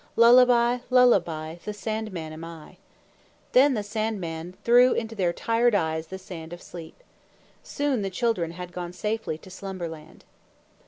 Lullaby, lullaby, the Sandman am I." Then the Sandman threw into their tired eyes the sand of sleep. Soon the children had gone safely to Slumberland.